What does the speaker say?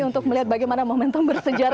untuk melihat bagaimana momentum bersejarah